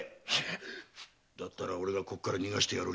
⁉だったら俺がここから逃がしてやる。